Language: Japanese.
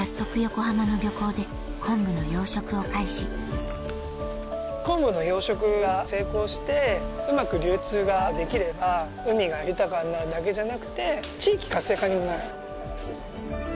早速昆布の養殖が成功してうまく流通ができれば海が豊かになるだけじゃなくて地域活性化にもなる。